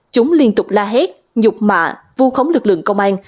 chúng liên tục la hét nhục mạ vu khống lực lượng công an